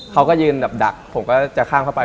เขาก็ยืนแบบดักผมก็จะข้ามเข้าไป